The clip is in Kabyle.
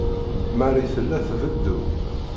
Marie tella tbeddu.